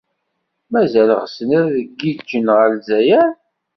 Mazal ɣsen ad giǧǧen ɣer Lezzayer?